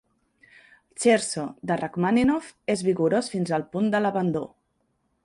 L'scherzo de Rakhmàninov és vigorós fins al punt de l'abandó.